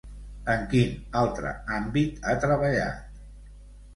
En quin altre àmbit ha treballat?